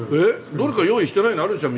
どれか用意してないのあるでしょ